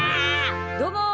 どうも。